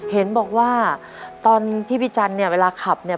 เห็นบอกว่าตอนที่พี่จันทร์เนี่ยเวลาขับเนี่ย